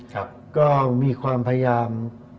ก็มีความพยายาม